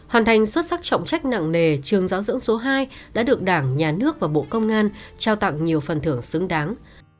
hoàn thành xuất sắc trọng trách nặng nề trường giáo dưỡng số hai đã được đảng nhà nước và bộ công an trao tặng nhiều phần thưởng xứng đáng